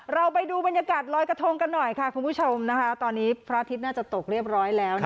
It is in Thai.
เราไปดูบรรยากาศลอยกระทงกันหน่อยค่ะคุณผู้ชมนะคะตอนนี้พระอาทิตย์น่าจะตกเรียบร้อยแล้วนะคะ